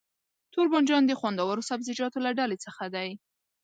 توربانجان د خوندورو سبزيجاتو له ډلې څخه دی.